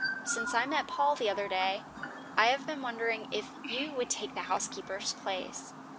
Since I met Paul the other day, I have been wondering if you would take the housekeeper's place.